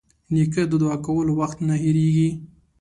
نیکه د دعا کولو وخت نه هېرېږي.